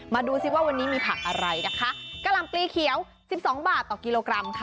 ดูสิว่าวันนี้มีผักอะไรนะคะกะหล่ำปลีเขียวสิบสองบาทต่อกิโลกรัมค่ะ